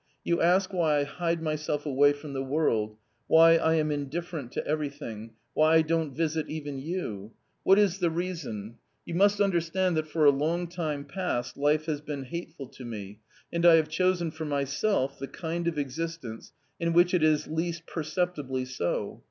" You ask why I hide myself away from the world, why I am indifferent to everything, why I don't visit even you ?.... what is the reason ? You must under stand that for a long time past life has been hateful to me, and I have chosen for myself the kind of existence in which it is least perceptibly so.